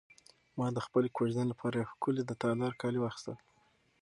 ما د خپلې کوژدنې لپاره یو ښکلی د تالار کالي واخیستل.